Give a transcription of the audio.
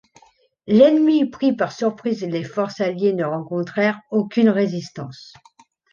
L'ennemi pris par surprise, les forces alliés ne rencontrèrent aucune résistance.